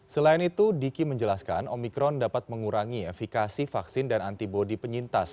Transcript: selain itu diki menjelaskan omikron dapat mengurangi efikasi vaksin dan antibody penyintas